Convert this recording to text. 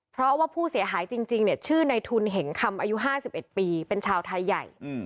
เพราะว่าผู้เสียหายจริงชื่อในทุนเห็งคำอายุ๕๑ปีเป็นชาวไทยใหญ่